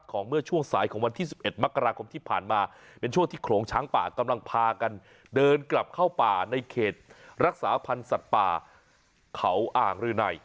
เมื่อช่วงสายของวันที่๑๑มกราคมที่ผ่านมาเป็นช่วงที่โขลงช้างป่ากำลังพากันเดินกลับเข้าป่าในเขตรักษาพันธ์สัตว์ป่าเขาอ่างรืนัย